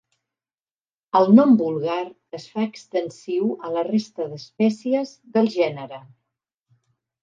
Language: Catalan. El nom vulgar es fa extensiu a la resta d'espècies del gènere.